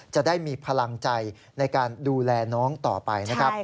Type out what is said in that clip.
จะได้มีพลังใจในการดูแลน้องต่อไปนะครับ